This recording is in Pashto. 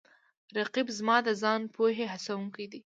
رقیب زما د ځان پوهې هڅوونکی دی